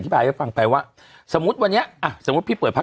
บายให้ฟังไปว่าสมมุติวันนี้อ่ะสมมุติพี่เปิดพัก